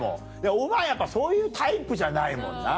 お前やっぱそういうタイプじゃないもんな。